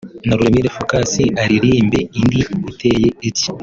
na Ruremire Focus aririmbe indi iteye itya